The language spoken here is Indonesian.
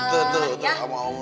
betul betul sama om dulu ya